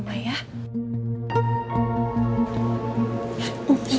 mbak belum makan ya